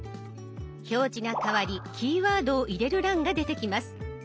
表示が変わりキーワードを入れる欄が出てきます。